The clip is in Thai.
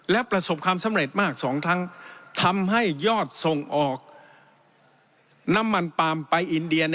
และประสบความสำเร็จมากสองครั้งทำให้ยอดส่งออกน้ำมันปาล์มไปอินเดีย